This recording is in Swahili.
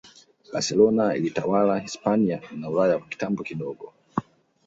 Barcelona ilitawala Hispania na Ulaya kwa kitambo kidogo